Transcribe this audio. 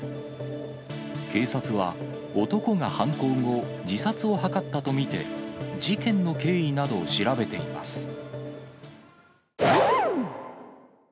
警察は男が犯行後、自殺を図ったと見て、事件の経緯などを調べています。